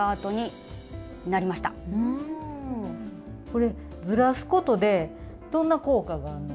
これでずらすことでどんな効果があんの？